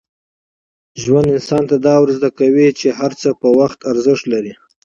ژوند انسان ته دا ور زده کوي چي هر څه په وخت ارزښت لري.